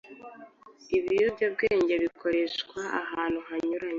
ibiyobyabwenge bikoreshwa ahantu hanyuranye